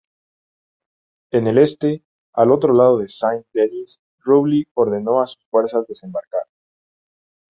En el este, al otro lado de Saint-Denis, Rowley ordenó a sus fuerzas desembarcar.